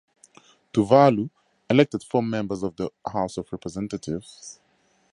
Tuvalu elected four members of the House of Representatives.